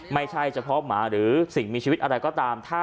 ไม่ใช่เฉพาะหมาหรือสิ่งมีชีวิตอะไรก็ตาม